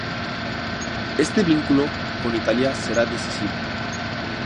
Este vínculo con Italia será decisivo.